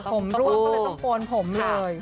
ผมร่วงก็เลยต้องโกนผมเลย